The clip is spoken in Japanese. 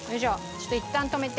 ちょっといったん止めて。